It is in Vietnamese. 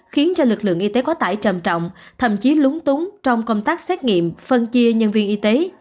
khiến cho lực lượng y tế quá tải trầm trọng thậm chí lúng túng trong công tác xét nghiệm phân chia nhân viên y tế